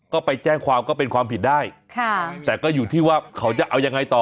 ก็ไปแจ้งความก็เป็นความผิดได้ค่ะแต่ก็อยู่ที่ว่าเขาจะเอายังไงต่อ